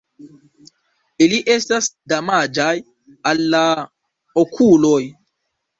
Ili estas damaĝaj al la okuloj.